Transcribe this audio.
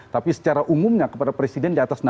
tapi secara umumnya kepada presiden di atas enam